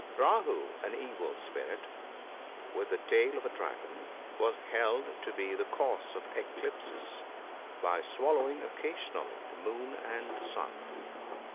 — Rah 00, an evil spirit, with the tail of a dragon, was held to be the cause of eclipses, by swallowing occasionally the moon and sun.